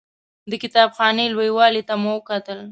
د کتاب خانې لوی والي ته مو وکتل.